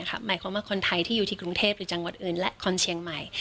หมายความว่าคนไทยที่อยู่ที่กรุงเทพหรือจังหวัดอื่นและคนเชียงใหม่